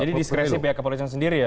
jadi diskresi pihak kepolisian sendiri ya